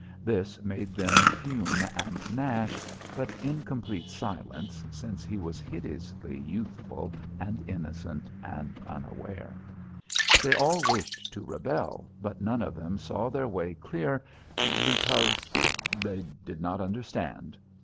This made them fume and gnash, but in complete silence, since he was hideously youthful and innocent and unaware. They all wished to rebel, but none of them saw their way clear, because they did not understand.